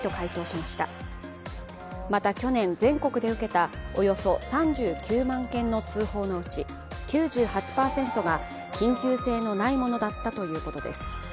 また去年、全国で受けたおよそ３９万件の通報のうち９８％が緊急性のないものだったということです。